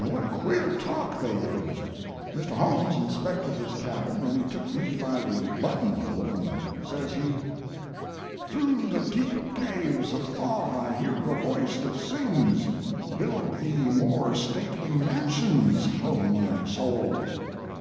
And what queer talk they used! Mr. Holmes inspected this cabin, then he took me by the buttonhole, and says he: "'Through the deep caves of thought I hear a voice that sings, Build thee more stately mansions, O my soul!'